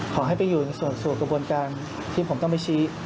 ขอให้ไปอยู่ในส่วนกระบวนการที่ผมต้องไปชี้